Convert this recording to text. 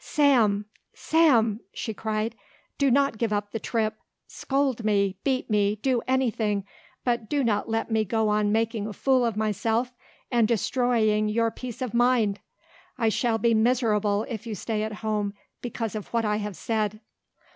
"Sam! Sam!" she cried. "Do not give up the trip! Scold me! Beat me! Do anything, but do not let me go on making a fool of myself and destroying your peace of mind! I shall be miserable if you stay at home because of what I have said!"